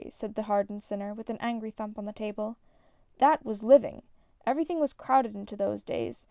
said the hardened sinner, with an angry thump on the table. " That was living I Everything was crowded into those days